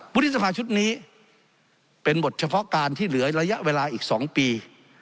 วุฒิสภาชุดนี้เป็นบทเฉพาะการที่เหลือระยะเวลาอีก๒ปี